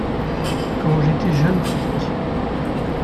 quand j’étais jeune flic.